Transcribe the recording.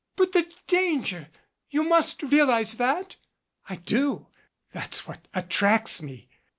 "But the danger ! You must realize that !" "I do that's what attracts me."